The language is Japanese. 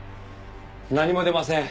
何も出ません。